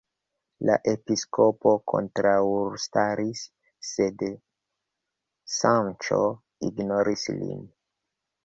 La episkopo kontraŭstaris, sed Sanĉo ignoris lin.